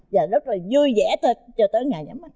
và rất là vui vẻ cho tới ngày hôm nay